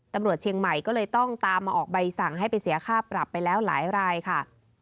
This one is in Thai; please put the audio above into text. ตำรวจเชียงใหม่ก็เลยต้องตามมาออกใบสั่งให้ไปเสียค่าปรับไปแล้วหลายรายค่ะ